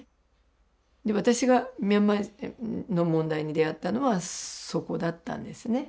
私がミャンマーの問題に出会ったのはそこだったんですね。